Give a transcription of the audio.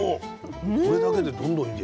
これだけでどんどんいけちゃう。